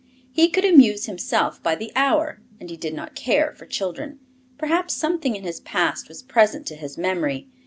He could amuse himself by the hour, and he did not care for children; perhaps something in his past was present to his memory.